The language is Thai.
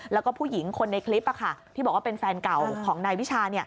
แล้วก็ผู้หญิงคนในคลิปที่บอกว่าเป็นแฟนเก่าของนายวิชา